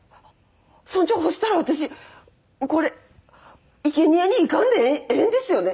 村長そしたら私これ生贄に行かんでええんですよね？